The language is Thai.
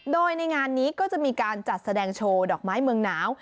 โดยในงานนี้ก็จะมีการจัดแสดงโชว์ดอกไม้เมืองหนาว